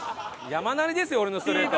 山なりですよ俺のストレート。